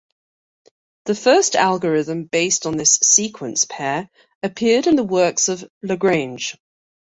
The first algorithm based on this sequence pair appeared in the works of Lagrange.